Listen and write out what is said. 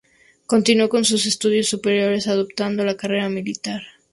Continuó con sus estudios superiores adoptando la carrera militar.